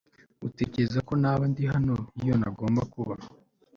Uratekereza ko naba ndi hano iyo ntagomba kuba